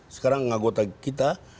sekarang anggota kita